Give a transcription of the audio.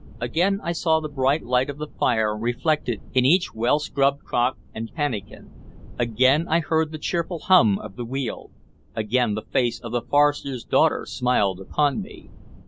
Again I saw the bright light of the fire reflected in each well scrubbed crock and pannikin; again I heard the cheerful hum of the wheel; again the face of the forester's daughter smiled upon me.